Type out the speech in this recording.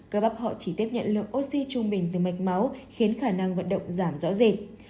các bắp họ chỉ tiếp nhận lượng oxy trung bình từ mạch máu khiến khả năng vận động giảm rõ rệt